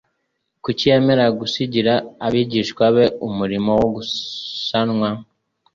Kuki yemera gusigira abigishwa be umurimo wo gusanwa